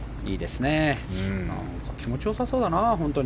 気持ちよさそうだな本当に。